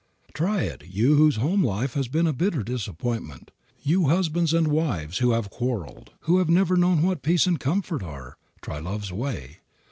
Try it you whose home life has been a bitter disappointment; you husbands and wives who have quarreled, who have never known what peace and comfort are, try love's way.